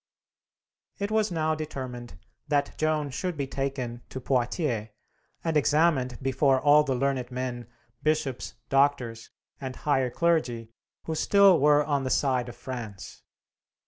It was now determined that Joan should be taken to Poitiers, and examined before all the learned men, bishops, doctors, and higher clergy who still were on the side of France.